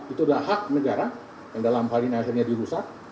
itu adalah hak negara yang dalam hal ini akhirnya dirusak